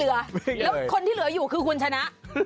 แล้วคนที่เหลืออยู่คือคุณชนะ